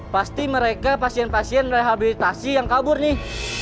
pasti mereka pasien pasien rehabilitasi yang kabur nih